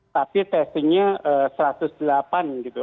tapi testingnya satu ratus delapan gitu